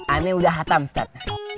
aneh udah hatam ustadz